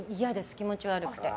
気持ち悪くて。